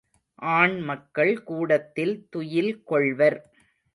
ஆண்மக்கள் கூடத்தில் துயில்கொள்வர்.